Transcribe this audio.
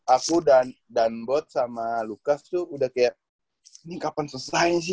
aku dan bot sama lukas tuh udah kayak ini kapan selesai sih